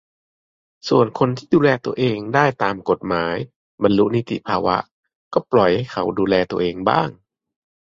ส่วนคนที่ดูแลตัวเองได้เองตามกฎหมาย บรรลุนิติภาวะ ก็ปล่อยเขาดูแลตัวเองบ้าง